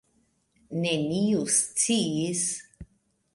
Neniu sciis.